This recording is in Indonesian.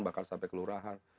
bahkan sampai kelurahan